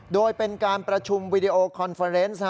โดยเป็นการประชุมวีดีโอคอนเฟอร์เนส